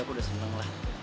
aku udah seneng lah